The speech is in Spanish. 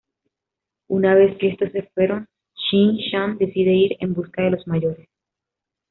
Una vez que estos se fueron, Shin-Chan decide ir en busca de los mayores.